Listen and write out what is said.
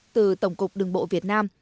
từ tổng cục đường bộ việt nam